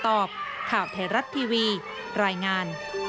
จึงเผยแพร่คลิปนี้ออกมา